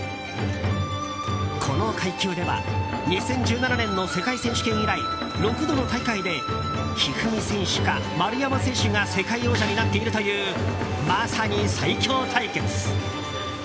この階級では２０１７年の世界選手権以来６度の大会で一二三選手か丸山選手が世界王者になっているというまさに最強対決。